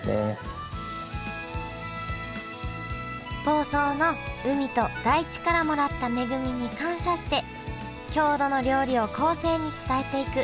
房総の海と大地からもらった恵みに感謝して郷土の料理を後世に伝えていく。